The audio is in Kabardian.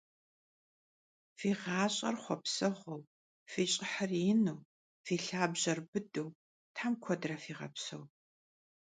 Fi ğaş'er xhuapseğueu, fi ş'ıhır yinu, fi lhabjer bıdeu Them kuedre fiğepseu!